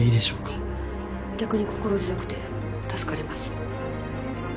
逆に心強くて助かります。